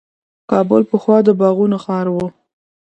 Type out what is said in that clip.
کابل پخوا د باغونو ښار و.